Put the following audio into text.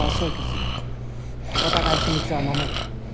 お互い秘密は守る。